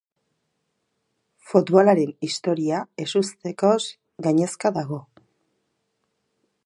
Futbolaren historia ezustekoz gainezka dago.